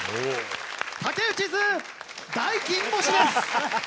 竹内ズ大金星です！